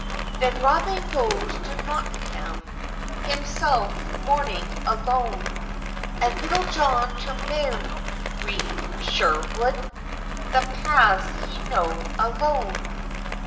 Then Robyn goes to Notyngham, Hymselfe mornynge allone, And Litulle Johne to mery Scherewode, The pathes he knowe alkone.